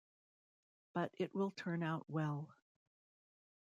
But it will turn out well.